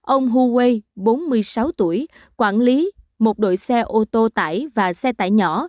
ông hu wei bốn mươi sáu tuổi quản lý một đội xe ô tô tải và xe tải nhỏ